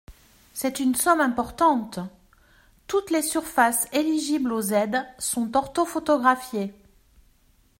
C’est une somme importante ! Toutes les surfaces éligibles aux aides sont orthophotographiées.